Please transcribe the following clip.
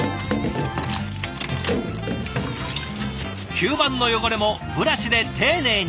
吸盤の汚れもブラシで丁寧に。